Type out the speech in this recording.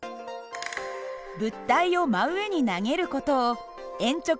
物体を真上に投げる事を鉛直